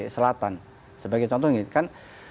selatan sebagai contoh kan